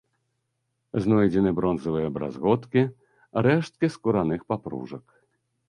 Знойдзены бронзавыя бразготкі, рэшткі скураных папружак.